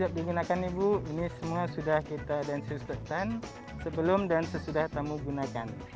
siap digunakan ibu ini semua sudah kita dan siusetan sebelum dan sesudah tamu gunakan